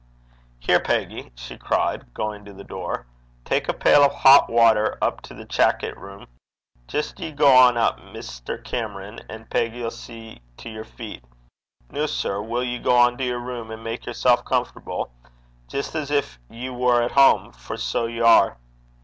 'Here, Peggy!' she cried, going to the door; 'tak a pail o' het watter up to the chackit room. Jist ye gang up, Mr. Cameron, and Peggy 'll see to yer feet. Noo, sir, will ye gang to yer room an' mak yersel' comfortable? jist as gin ye war at hame, for sae ye are.'